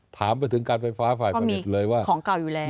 ถามไปถึงการไฟฟ้าภายประเด็นเลยว่ามี